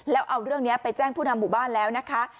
แล้วเอาเรื่องนี้ไปแจ้งผู้นำหมู่บ้านแล้วนะคะ